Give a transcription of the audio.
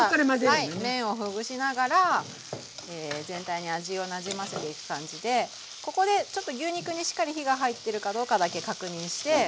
はい麺をほぐしながら全体に味をなじませていく感じでここでちょっと牛肉にしっかり火が入ってるかどうかだけ確認して。